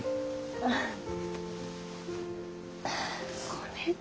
ごめんね。